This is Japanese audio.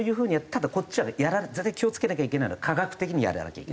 ただこっちはね気を付けなきゃいけないのは科学的にやらなきゃいけない。